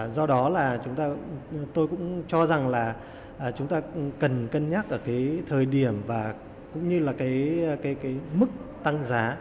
do đó là chúng tôi cũng cho rằng là chúng ta cần cân nhắc ở cái thời điểm và cũng như là cái mức tăng giá